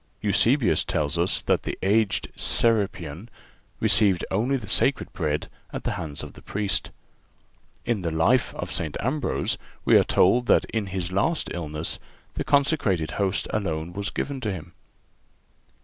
Eusebius tells us that the aged Serapion received only the Sacred Bread at the hands of the Priest. In the Life of St. Ambrose we are told that in his last illness the consecrated Host alone was given to Him.